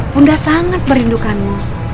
bunda sangat merindukanmu